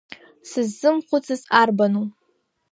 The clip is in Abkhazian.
Сыззымхәыцыз арбану.